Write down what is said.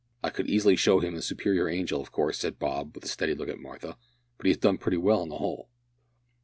I could easily show him a superior angel, of course," said Bob with a steady look at Martha, "but he has done pretty well, on the whole."